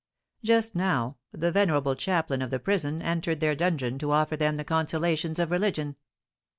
Just now the venerable chaplain of the prison entered their dungeon to offer to them the consolations of religion.